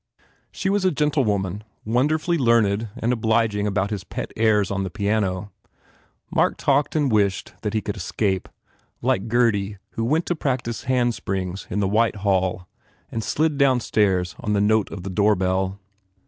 She was a gentlewoman, wonderfully learned and obliging about his pet airs on the piano. Mark talked and wished that he could escape, like Gurdy who went to practice handsprings in the white hall and slid downstairs at the note of the doorbell.